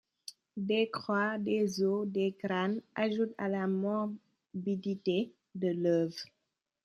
Des croix, des os, des crânes ajoutent à la morbidité de l'œuvre.